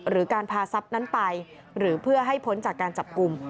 หรือการพาทรัพย์นั้นไปหรือเพื่อให้พ้นจากการจับกลุ่ม